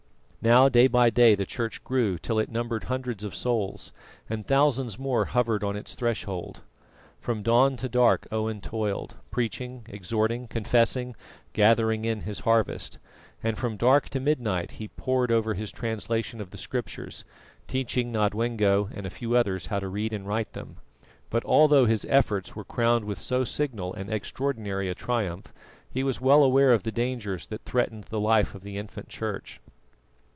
Now day by day the Church grew till it numbered hundreds of souls, and thousands more hovered on its threshold. From dawn to dark Owen toiled, preaching, exhorting, confessing, gathering in his harvest; and from dark to midnight he pored over his translation of the Scriptures, teaching Nodwengo and a few others how to read and write them. But although his efforts were crowned with so signal and extraordinary a triumph, he was well aware of the dangers that threatened the life of the infant Church.